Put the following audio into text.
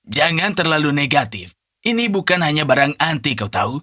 jangan terlalu negatif ini bukan hanya barang anti kau tahu